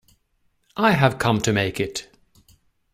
I have come to make it.